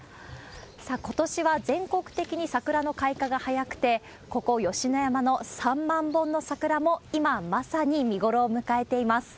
さあ、ことしは全国的に桜の開花が早くて、ここ、吉野山の３万本の桜も、今、まさに見ごろを迎えています。